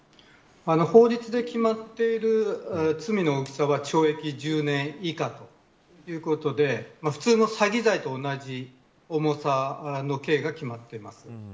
法律で決まっている罪の大きさは懲役１０年以下ということで普通の詐欺罪と同じ重さ辻さん